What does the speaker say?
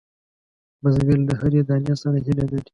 بزګر له هرې دانې سره هیله لري